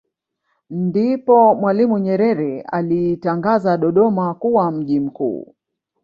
Ndipo Mwalimu Nyerere aliitangaza Dodoma kuwa mji mkuu